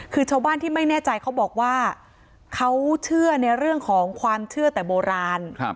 คือชาวบ้านที่ไม่แน่ใจเขาบอกว่าเขาเชื่อในเรื่องของความเชื่อแต่โบราณ